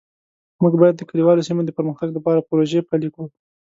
موږ باید د کلیوالو سیمو د پرمختګ لپاره پروژې پلي کړو